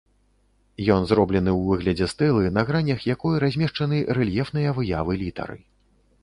Ён зроблены ў выглядзе стэлы, на гранях якой размешчаны рэльефныя выявы літары.